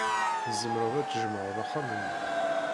Tzemred ad tjemɛed axxam-nni.